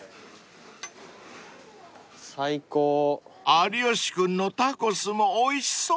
［有吉君のタコスもおいしそう］